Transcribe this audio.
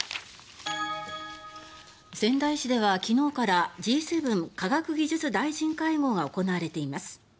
仙台市では昨日からＧ７科学技術大臣会合が行われています。